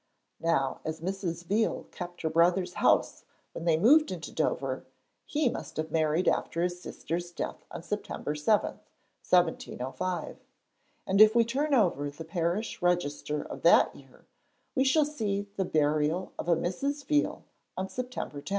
Now, as Mrs. Veal kept her brother's house when they moved into Dover, he must have married after his sister's death on September 7, 1705. And if we turn over the Parish Register of that very year, we shall see the burial of a 'Mrs. Veal' on September 10.